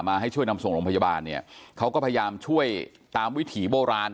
ให้ช่วยนำส่งโรงพยาบาลเนี่ยเขาก็พยายามช่วยตามวิถีโบราณ